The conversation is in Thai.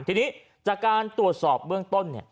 ทีนี้จากการตรวจสอบเบื้องต้น